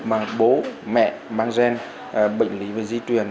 mà bố mẹ mang gen bệnh lý về di truyền